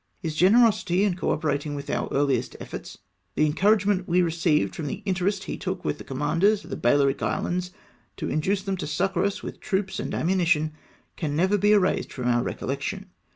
His generosity in co operating with our earliest efforts, the encouragement we received from the interest he took with the commanders of the Balearic islands, to induce them to succour us with troops and am munition, can never be erased from our recollection.